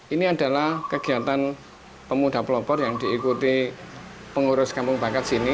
ini adalah kegiatan pemuda pelopor yang diikuti pengurus kampung bakat sini